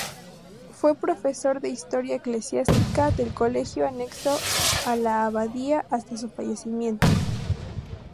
Fue profesor de Historia Eclesiástica del Colegio anexo a la Abadía hasta su fallecimiento.